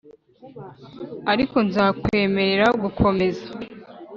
ariko nzakwemerera gukomeza.